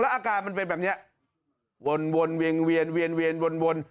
แล้วอาการมันเป็นแบบเนี้ยวนวนเวียงเวียนเวียนเวียนวนวน